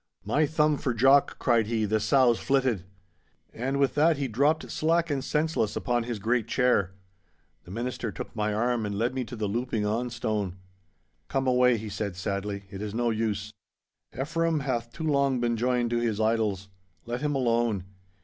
'My thumb for Jock!' cried he, 'the sow's flitted!' And with that he dropped slack and senseless upon his great chair. The Minister took my arm and led me to the louping on stone. 'Come away,' he said sadly, 'it is no use. Ephraim hath too long been joined to his idols. Let him alone.